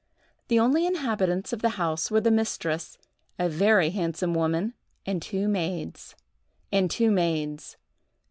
The only inhabitants of the house were the mistress, a very handsome woman, and two maids.